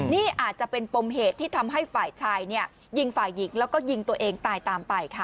นี่อาจจะเป็นปมเหตุที่ทำให้ฝ่ายชายยิงฝ่ายหญิงแล้วก็ยิงตัวเองตายตามไปค่ะ